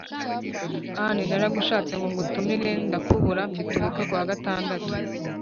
anne : naragushatse ngo ngutumire ndakubura. mfite ubukwe kuwa gatandatu.